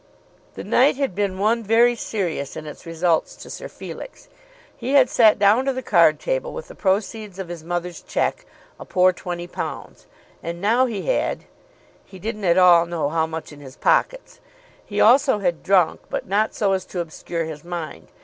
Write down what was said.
The night had been one very serious in its results to Sir Felix. He had sat down to the card table with the proceeds of his mother's cheque, a poor £20, and now he had, he didn't at all know how much in his pockets. He also had drunk, but not so as to obscure his mind.